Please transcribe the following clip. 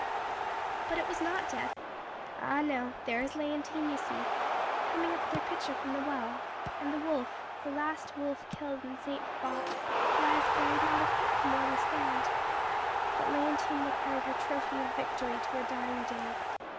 "But it was not death. Ah, no there is Léontine, you see, coming up with her pitcher from the well; and the wolf, the last wolf killed in St. Privât, lies buried not a foot from where we stand; but Léontine will carry her trophy of victory to her dying day.